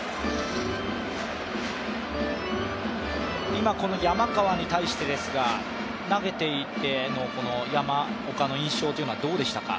今、山川に対してですが、投げていての山岡の印象はどうでしたか？